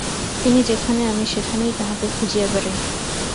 তিনি যেখানে আমি সেখানেই তাঁহাকে খুঁজিয়া বেড়াই।